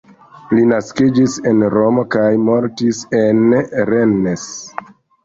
Li naskiĝis en Romo kaj mortis en Rennes.